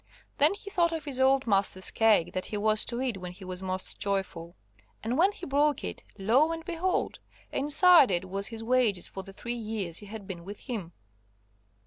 Then he thought of his old master's cake that he was to eat when he was most joyful, and when he broke it, lo and behold, inside it was his wages for the three years he had been with him.